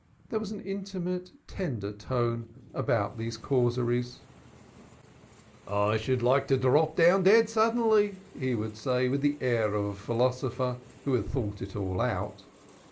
There was an intimate tender tone about these causeries. "I should like to drop down dead suddenly," he would say with the air of a philosopher, who had thought it all out.